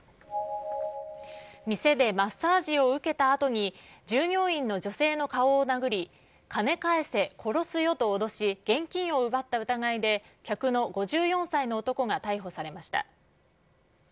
店でマッサージを受けたあとに、従業員の女性の顔を殴り、金返せ、殺すよなどと脅し、現金を奪った疑いで、客の５４歳の男が逮捕されました。